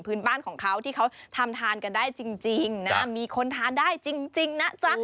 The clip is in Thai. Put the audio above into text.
พื้นบ้านของเขาที่เขาทำทานกันได้จริงนะมีคนทานได้จริงนะจ๊ะ